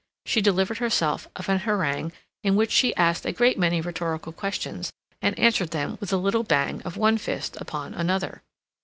She delivered herself of an harangue in which she asked a great many rhetorical questions and answered them with a little bang of one fist upon another.